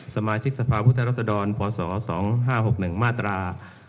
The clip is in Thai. สมาชิกสภาพุทธรัศดรพศ๒๕๖๑มาตรา